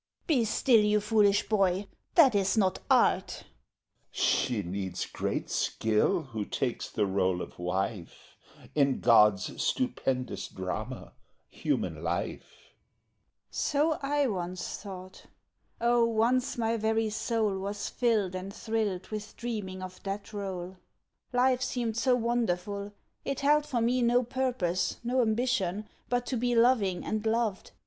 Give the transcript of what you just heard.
MAID (angrily) Be still, you foolish boy; that is not art. CUPID (seriously) She needs great skill who takes the role of wife In God's stupendous drama human life. MAID (suddenly becoming serious) So I once thought! Oh, once my very soul Was filled and thrilled with dreaming of that role. Life seemed so wonderful; it held for me No purpose, no ambition, but to be Loving and loved.